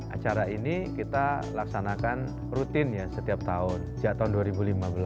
acara ini kita laksanakan rutin ya setiap tahun sejak tahun dua ribu lima belas